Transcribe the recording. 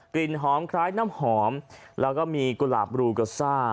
กลิ่นหอมคล้ายน้ำหอมแล้วก็มีกุหลาบรูกาซ่า